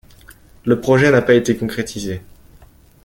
Le projet n'a pas été concrétisé.